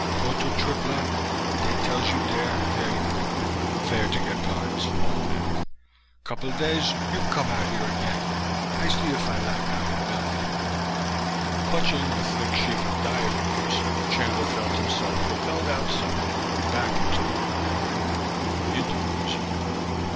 Go to Tripler, dey tells you dere vere you can work, vere to get parts, all dat. Couple days you come out here again, I see if I like how you build." Clutching the thick sheaf of diagrams, Chandler felt himself propelled outside and back into the little car. The interview was over.